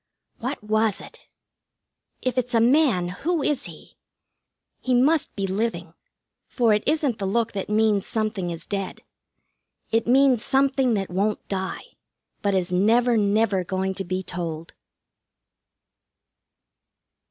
What was it? If it's a man, who is he? He must be living, for it isn't the look that means something is dead. It means something that won't die, but is never, never going to be told.